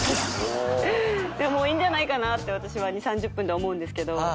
もういいんじゃないかなって私は２０３０分で思うんですけど。